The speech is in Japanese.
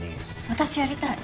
私やりたい。